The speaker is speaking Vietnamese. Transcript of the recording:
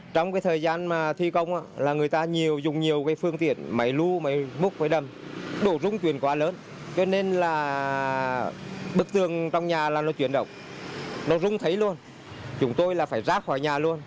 trong thời gian thi công người ta dùng nhiều phương tiện máy lưu máy múc máy đâm đổ rung chuyển quá lớn cho nên bức tường trong nhà nó chuyển động nó rung thấy luôn chúng tôi phải rác khỏi nhà luôn